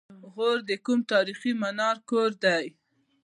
غور د کوم تاریخي منار کور دی؟